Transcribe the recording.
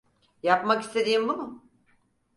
Yapmak istediğin bu mu?